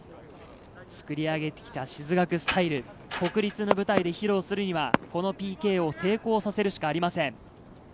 作り上げてきた静学スタイル、国立の舞台で披露するには、このＰＫを成功させるしかありません。